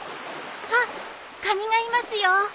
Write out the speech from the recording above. あっカニがいますよ。